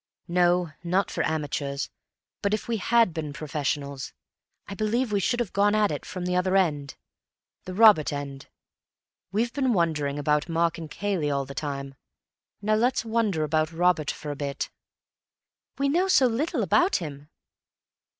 "No; not for amateurs. But if we had been professionals, I believe we should have gone at it from the other end. The Robert end. We've been wondering about Mark and Cayley all the time. Now let's wonder about Robert for a bit." "We know so little about him."